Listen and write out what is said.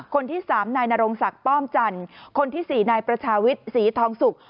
คนที่๓นายนรงศักดิ์ป้อมจันทร์คนที่๔นายประชาวิทย์ศรีทองสุก